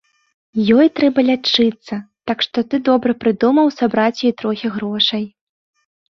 Ёй трэба лячыцца, так што ты добра прыдумаў сабраць ёй трохі грошай.